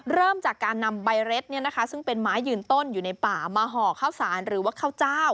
เริ่มจากการนำใบเร็ดซึ่งเป็นไม้ยืนต้นอยู่ในป่ามาห่อข้าวสารหรือว่าข้าวเจ้า